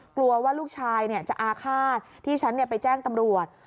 กลัวว่าลูกชายเนี่ยจะอาฆาตที่ฉันเนี่ยไปแจ้งตำรวจ